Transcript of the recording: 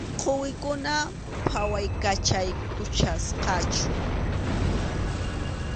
Quwikuna phawaykachaykuchkasqaku.